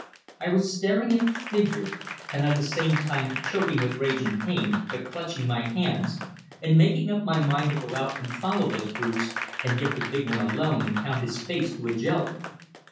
I was staring at the figure, and at the same time choking with rage and pain, but clenching my hands, and making up my mind to go out and follow those brutes, and get that big one alone and pound his face to a jelly.